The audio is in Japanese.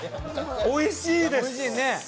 おいしいです。